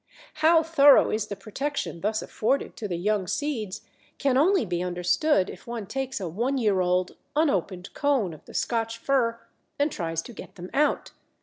How thorough is the protection thus afforded to the young seeds, can only be understood if one takes a one year old unopened cone of the Scotch Fir and tries to get them out.